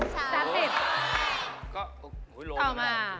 ต่อมา